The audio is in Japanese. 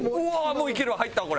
もういけるわ入ったわ。